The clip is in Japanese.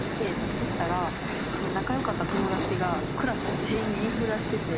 そしたら仲よかった友だちがクラス全員に言いふらしてて。